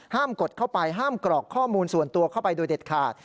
กดเข้าไปห้ามกรอกข้อมูลส่วนตัวเข้าไปโดยเด็ดขาด